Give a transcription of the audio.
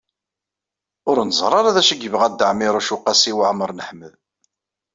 Ur neẓri ara d acu i yebɣa Dda Ɛmiiruc u Qasi Waɛmer n Ḥmed.